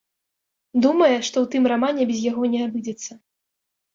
Думае, што ў тым рамане без яго не абыдзецца.